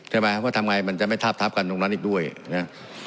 ใช่ไหมว่าทำไงมันจะไม่ทาบทับกันตรงนั้นอีกด้วยนะ